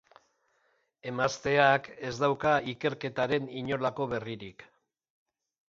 Emazteak ez dauka ikerketaren inolako berririk.